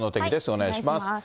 お願いします。